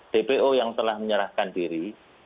dpo yang telah menyerahkan diri